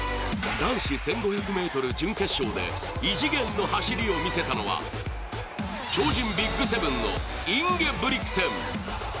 男子１５００ｍ準決勝で異次元の走りを見せたのは超人ＢＩＧ７のインゲブリクセン。